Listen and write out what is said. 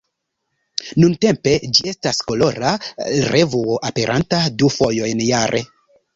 Nuntempe ĝi estas kolora revuo, aperanta du fojojn jare.